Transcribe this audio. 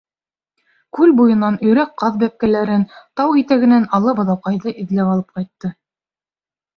Күл буйынан өйрәк-ҡаҙ бәпкәләрен, тау итәгенән ала быҙауҡайҙы эҙләп алып ҡайтты.